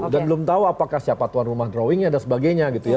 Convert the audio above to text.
dan belum tahu apakah siapa tuan rumah drawingnya dan sebagainya gitu ya